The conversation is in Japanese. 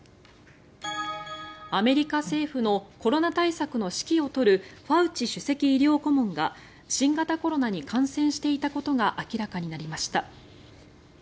アメリカ政府のコロナ対策の指揮を執るファウチ首席医療顧問が新型コロナに感染していたことが明らかになりました。